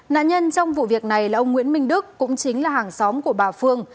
nạn nhân trong vụ việc này là ông nguyễn minh đức cũng chính là hàng xóm của bà phương